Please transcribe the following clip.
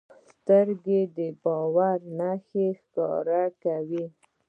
سترګې د باور نښې ښکاره کوي